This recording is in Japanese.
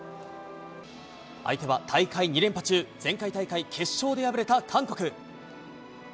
相手は大会２連覇中、前回大会決勝で敗れた韓国。